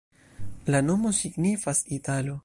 La nomo signifas: italo.